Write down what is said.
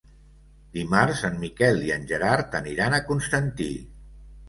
Dimarts en Miquel i en Gerard aniran a Constantí.